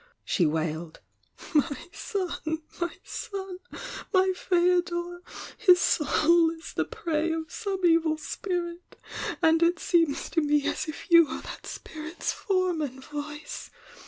she wailed. "My son, my son! My Feodor! His soul is the prey of some evil spirit — and it seems to me as if you are that spirit's form and voice!